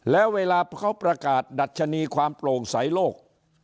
แล้วเวลาเขาประกาศดัชนีความโปร่งใสโลก